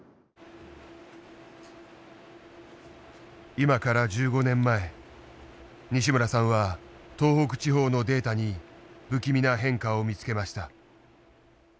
今から１５年前西村さんは東北地方のデータに不気味な変化を見つけました。